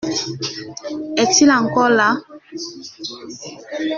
Est-il encore là ?